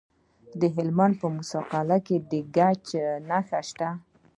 د هلمند په موسی قلعه کې د ګچ نښې شته.